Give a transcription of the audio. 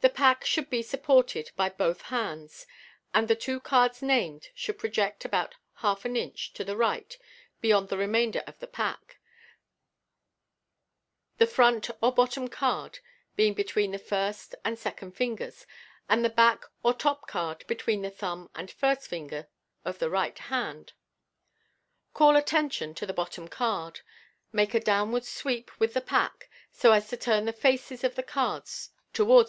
The pack should be supported by both hands, and the two cards named should project about half an inch to the right beyond the remainder of the pack, the front or bottom card being between the first and second fingers, and the back or top card between the thumb and first finger of the right hand. (See Fig. 17.) Call attention to the bottom card; make a downward sweep with the pack so as to turn the faces of the cards towards Fig.